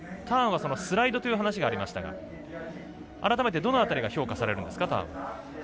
ターンは、スライドという話がありましたが改めてどの辺りがターン、評価されるんですか。